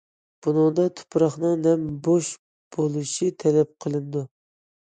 بۇنىڭدا تۇپراقنىڭ نەم، بوش بولۇشى تەلەپ قىلىنىدۇ.